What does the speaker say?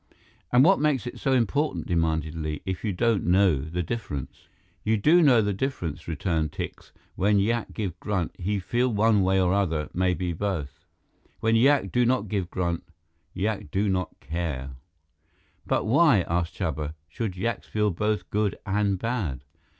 "And what makes it so important," demanded Li, "if you don't know the difference?" "You do know the difference," returned Tikse. "When yak give grunt, he feel one way or other, maybe both. When yak do not give grunt, yak do not care." "But why," asked Chuba, "should yaks feel both good and bad?"